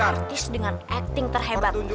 artis dengan acting terhebat